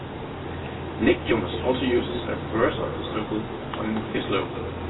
Nick Jonas also uses a reverse of the symbol in his logo.